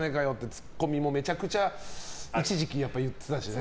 ツッコミもめちゃくちゃ一時期言ってたしね。